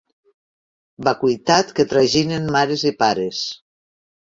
Vacuïtat que traginen mares i pares.